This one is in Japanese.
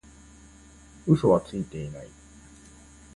嘘はついてない